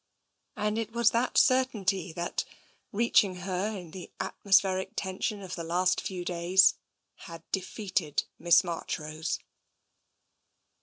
And it was that certainty that, reaching her in the atmospheric tension of the last few days, had defeated Miss Marchrose.